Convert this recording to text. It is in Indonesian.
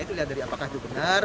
itu lihat dari apakah itu benar